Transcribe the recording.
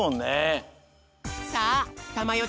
さあたまよ